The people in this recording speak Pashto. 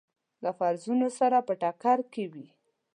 له فرضونو سره په ټکر کې وي.